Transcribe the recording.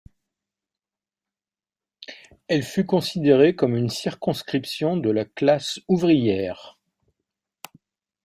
Elle fut considérée comme une circonscription de la classe ouvrière.